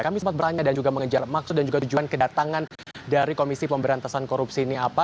kami sempat bertanya dan juga mengejar maksud dan juga tujuan kedatangan dari komisi pemberantasan korupsi ini apa